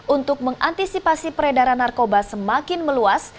untuk mengantisipasi peredaran narkoba semakin meluas